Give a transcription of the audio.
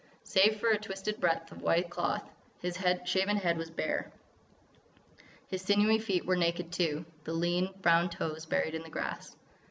Save for a twisted breadth of white cloth, his shaven head was bare. His sinewy feet were naked, too, the lean, brown toes buried in the grass.